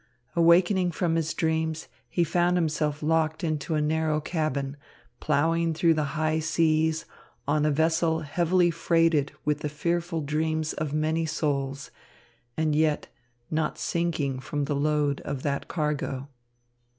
Awakening from his dreams, he found himself locked into a narrow cabin, plowing through the high seas, on a vessel heavily freighted with the fearful dreams of many souls, and yet not sinking from the load of that cargo.